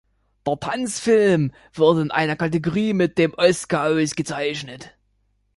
Der Tanzfilm wurde in einer Kategorie mit dem Oscar ausgezeichnet.